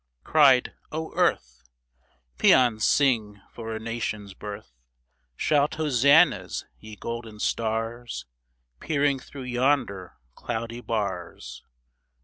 Cried, " O Earth, Paeans sing for a Nation's birth ! Shout hosannas, ye golden stars. Peering through yonder cloudy bars